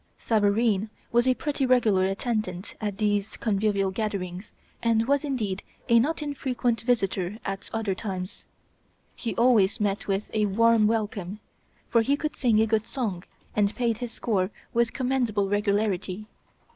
Savareen was a pretty regular attendant at these convivial gatherings, and was indeed a not infrequent visitor at other times. He always met with a warm welcome, for he could sing a good song, and paid his score with commendable regularity.